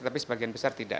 tetapi sebagian besar tidak